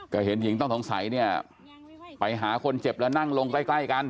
ก็เห็นหญิงต้องสงสัยเนี่ยไปหาคนเจ็บแล้วนั่งลงใกล้ใกล้กัน